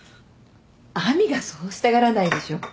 亜美がそうしたがらないでしょ。